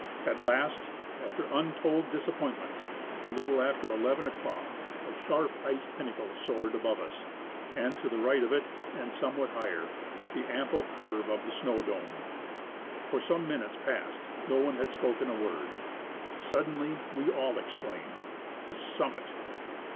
At last, after untold disappointments, a little after 1 1 o'clock, a sharp ice pinnacle soared above us, and to the right of it and somewhat higher, the ample curve of a snow dome. For some minutes past no one had spoken a word. Suddenly we all exclaimed: "The summit!"